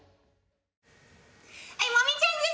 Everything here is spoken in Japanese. もみちゃん☆ズです。